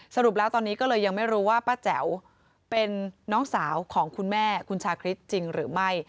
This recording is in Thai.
สรุปแล้วตอนนี้ก็เลยยังไม่รู้ว่าป้าแจ๋วเป็นน้องสาวของคุณแม่คุณชาคริสจริงหรือไม่